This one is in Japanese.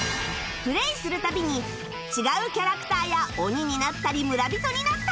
プレイする度に違うキャラクターや鬼になったり村人になったり